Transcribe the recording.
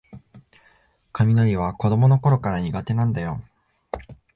雷は子どものころから苦手なんだよ